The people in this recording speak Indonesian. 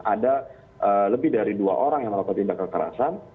ada lebih dari dua orang yang melakukan tindak kekerasan